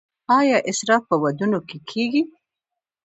آیا اسراف په ودونو کې کیږي؟